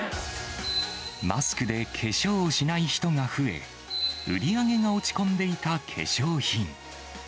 マスクで化粧をしない人が増え、売り上げが落ち込んでいた化粧品。